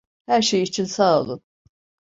Her şey için sağ olun.